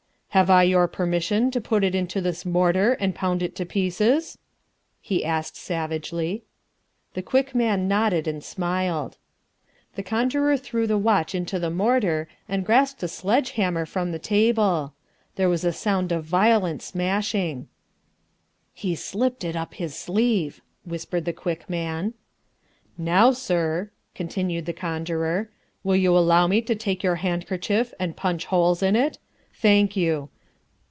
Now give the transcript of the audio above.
"Have I your permission to put it into this mortar and pound it to pieces?" he asked savagely. The Quick Man nodded and smiled. The conjurer threw the watch into the mortar and grasped a sledge hammer from the table. There was a sound of violent smashing, "He's slipped it up his sleeve," whispered the Quick Man. "Now, sir," continued the conjurer, "will you allow me to take your handkerchief and punch holes in it? Thank you.